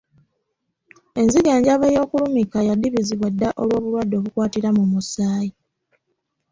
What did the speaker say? Enzijanjaba ey'okulumika yadibizibwa dda olw'obulwadde obukwatira mu musaayi.